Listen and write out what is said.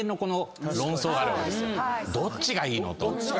どっちがいいのと。